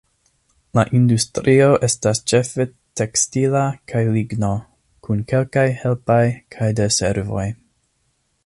La industrio estas ĉefe tekstila kaj ligno, kun kelkaj helpaj kaj de servoj.